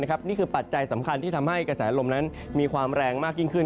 นี่คือปัจจัยสำคัญที่ทำให้กระแสลมนั้นมีความแรงมากยิ่งขึ้น